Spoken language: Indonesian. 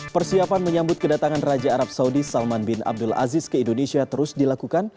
persiapan menyambut kedatangan raja arab saudi salman bin abdul aziz ke indonesia terus dilakukan